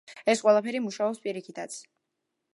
ეს ყველაფერი მუშაობს პირიქითაც.